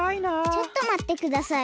ちょっとまってください。